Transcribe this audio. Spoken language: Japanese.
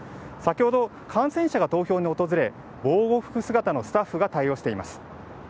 先ほど感染者が投票に訪れ、防護服姿のスタッフが対応しています。